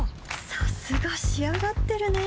さすが仕上がってるね